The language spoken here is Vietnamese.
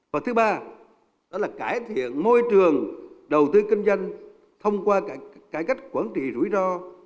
và thứ ba đó là cải thiện môi trường đầu tư kinh doanh thông qua cải cách quản trị rủi ro